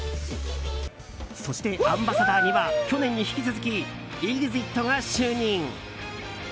そしてアンバサダーには去年に引き続きＥＸＩＴが就任。